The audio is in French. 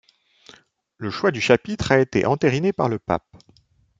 Le choix du Chapitre a été entériné par le pape.